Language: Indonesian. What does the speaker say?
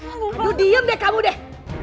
aduh diam deh kamu deh